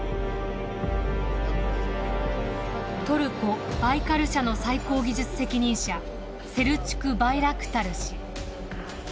トルコバイカル社の最高技術責任者セルチュク・バイラクタル氏。